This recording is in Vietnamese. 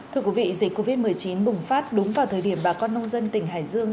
thưa quý vị dịch covid một mươi chín bùng phát đúng vào thời điểm bà con nông dân tỉnh hải dương